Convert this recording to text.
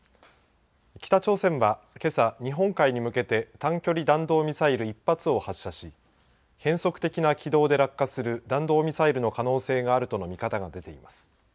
北朝鮮はけさ日本海に向けて短距離弾道ミサイル１発を発射し変則的な軌道で落下する弾道ミサイルの可能性があるとの見方が出ています。